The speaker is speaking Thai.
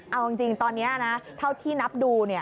เอาจริงตอนนี้นะเท่าที่นับดู